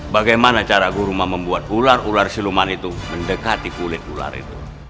bagaimana cara guru membuat ular ular siluman itu mendekati kulit ular itu